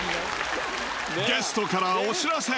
ゲストからお知らせ！